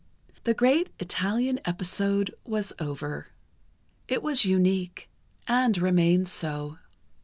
The great Italian episode was over. It was unique, and remains so.